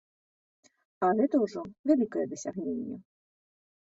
А гэта ўжо вялікае дасягненне.